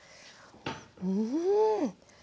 うん。